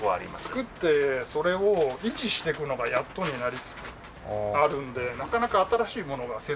作ってそれを維持していくのがやっとになりつつあるんでなかなか新しいものが生産元も出せない状況。